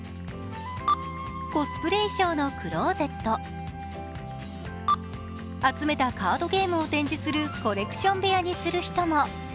コスプレ衣装のクローゼット、集めたカードゲームを展示するコレクション部屋にする人も。